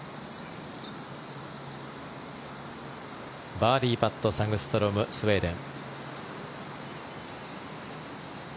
バーディーパットサグストロム、スウェーデン。